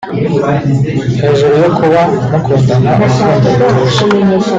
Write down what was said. Hejuru yo kuba mukundana urukundo rutuje